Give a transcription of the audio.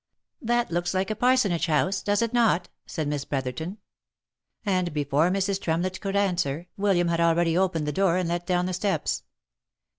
"That looks like a parsonage house! Does it not?" said Miss Brotherton. And before Mrs. Tremlett could answer/William had already opened the door, and let down the steps.